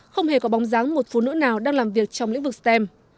không hề có bóng dáng một phụ nữ nào đang làm việc trong lĩnh vực stem